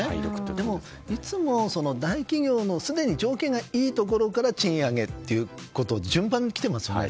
でも、いつも大企業のすでに条件がいいところから賃上げっていうことで順番に来ていますよね。